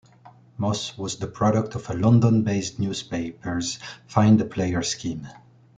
Moss was the product of a London-based newspaper's 'find-a-player' scheme.